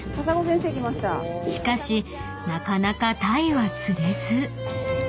［しかしなかなか鯛は釣れず］